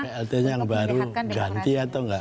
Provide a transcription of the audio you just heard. plt nya yang baru ganti atau enggak